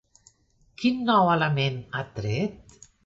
Quin nou element ha tret?